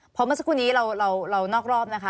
เพราะเมื่อสักครู่นี้เรานอกรอบนะคะ